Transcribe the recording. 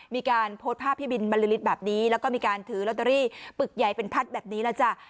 มีการโพสต์ภาพพี่บินบรรลือฤทธิ์แบบนี้แล้วก็มีการถือลอตเตอรี่ปึกใหญ่เป็นพัดแบบนี้แล้วจ้ะ